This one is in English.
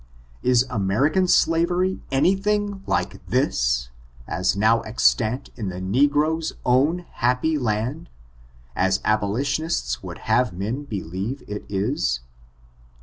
Is American slavery any thing like tliis^ as now extant in the ne gro's own happy land, as abolitionists would have men believe it is